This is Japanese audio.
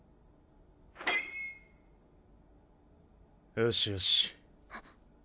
よしよし。